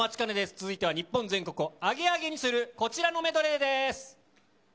次は日本全国アゲアゲにするこちらのメドレーです。